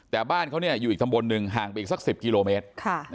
แต่บ้านเขาอยู่อีกตำบลหนึ่งห่างไปอีกสัก๑๐กิโลเมตร